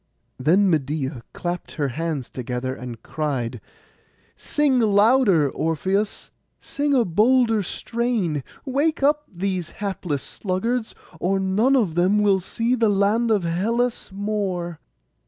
Then Medeia clapped her hands together, and cried, 'Sing louder, Orpheus, sing a bolder strain; wake up these hapless sluggards, or none of them will see the land of Hellas more.